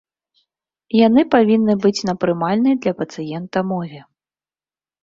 Яны павінны быць на прымальнай для пацыента мове.